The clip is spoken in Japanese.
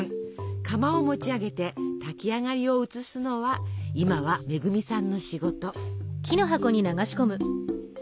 釜を持ち上げて炊き上がりを移すのは今は恵さんの仕事。